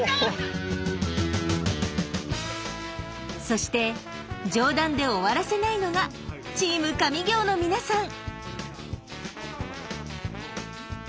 そして冗談で終わらせないのが「チーム上京！」の皆さん。